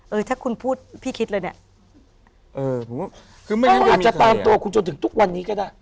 ถ้าคุณพูดพี่คิดเลยเนี้ยเออผมว่าคือไม่งั้นอาจจะตามตัวคุณจนถึงทุกวันนี้ก็ได้